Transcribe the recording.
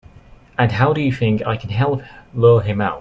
And how do you think I can help lure him out?